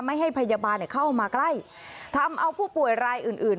ไม่ให้พยาบาลเข้ามาใกล้ทำเอาผู้ป่วยรายอื่นอื่น